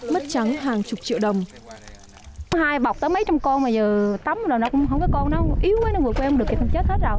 mất trắng hàng chục triệu đồng